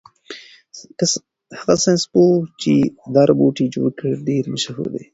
هغه ساینس پوه چې دا روبوټ یې جوړ کړ ډېر مشهور دی.